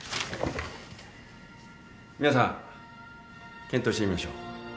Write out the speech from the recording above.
皆さん検討してみましょう。